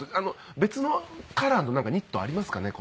別のカラーのニットありますかね？